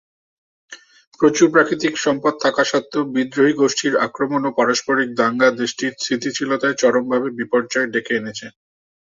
প্রচুর প্রাকৃতিক সম্পদ থাকা সত্ত্বেও বিদ্রোহী গোষ্ঠীর আক্রমণ ও পারস্পরিক দাঙ্গা দেশটির স্থিতিশীলতায় চরমভাবে বিপর্যয় ডেকে এনেছে।